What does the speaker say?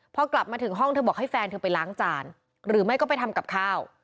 พอกลับมาถึงห้องเธอบอกให้แฟนเธอไปล้างจานหรือไม่ก็ไปทำกับข้าว